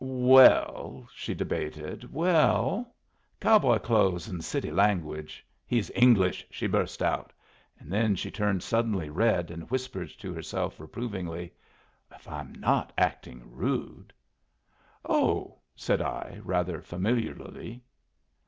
"Well," she debated, "well, cowboy clothes and city language he's English!" she burst out; and then she turned suddenly red, and whispered to herself, reprovingly, "If I'm not acting rude!" "Oh!" said I, rather familiarly.